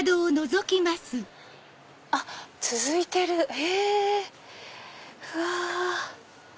あっ続いてる！うわ！